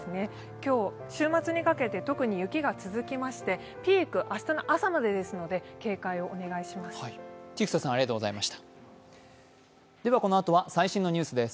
今日、週末にかけて特に雪が続きまして、ピーク、明日の朝までですので、警戒をお願いします。